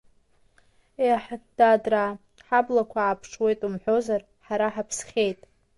Еҳ, дадраа, ҳаблақуа ааԥшуеит умҳәозар, ҳара ҳаԥсхьеит!